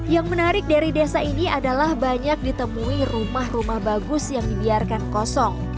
yang menarik dari desa ini adalah banyak ditemui rumah rumah bagus yang dibiarkan kosong